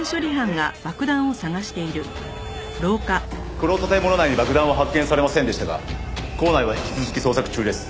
この建物内に爆弾は発見されませんでしたが構内は引き続き捜索中です。